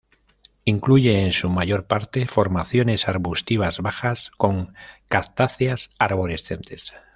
Incluye en su mayor parte formaciones arbustivas bajas con cactáceas arborescentes.